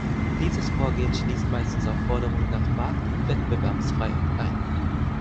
Dieses Vorgehen schließt meistens auch Forderungen nach Markt- und Wettbewerbsfreiheit ein.